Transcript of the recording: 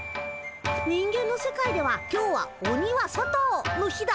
人間の世界では今日は鬼は外！の日だ！